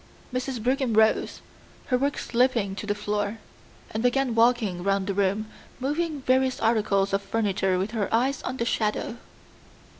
Mrs. Brigham rose, her work slipping to the floor, and began walking round the room, moving various articles of furniture, with her eyes on the shadow.